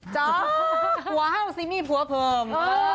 จ๊อคว้าวซิมี่ผัวเพิ่ม